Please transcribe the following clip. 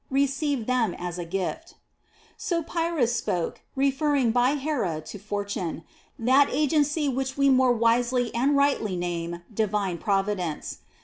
Receive them as a gift." ' So Pyrrhus spoke, referring by " Hera " to fortune, that agency which we more wisely and rightly name Divine Providence.